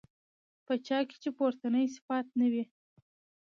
په چا كي چي پورتني صفات نه وي